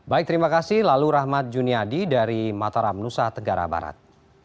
baik terima kasih lalu rahmat juniadi dari mataram nusa tenggara barat